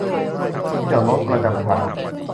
ที่จอดรถประจำทาง